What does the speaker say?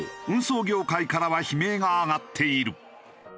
運送業界からは悲鳴が上がっている。